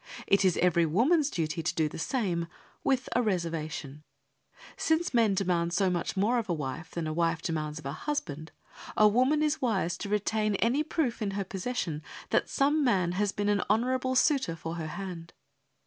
It is every woman's duty to do the same with a reservation. Since men demand so much more of a wife than a wife demands of a husband, a woman is wise to retain any proof in her possession that some man has been an honourable suitor for her hand.